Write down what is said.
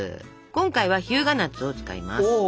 今回は日向夏を使います。